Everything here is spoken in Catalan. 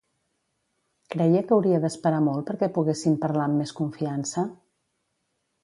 Creia que hauria d'esperar molt perquè poguessin parlar amb més confiança?